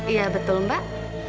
iya betul mbak